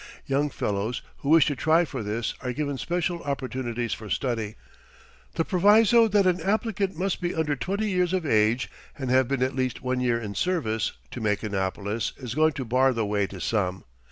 Young fellows who wish to try for this are given special opportunities for study. The proviso that an applicant must be under twenty years of age and have been at least one year in service to make Annapolis is going to bar the way to some.